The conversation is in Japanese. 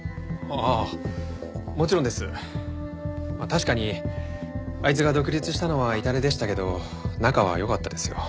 確かにあいつが独立したのは痛手でしたけど仲は良かったですよ。